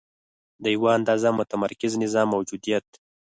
د یوه اندازه متمرکز نظم موجودیت.